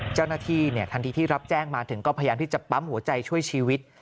เจ้าหน้าที่ทันทีที่รับแจ้งมาถึงก็พยายามที่จะปั๊มหัวใจช่วยชีวิต